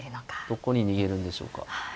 どこに逃げるんでしょうか。